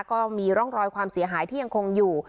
ก็มีร่องรอยความเสียหายที่ยังคงอยู่